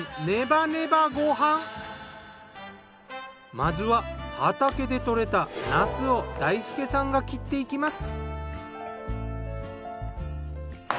まずは畑で採れたなすを大輔さんが切っていきます。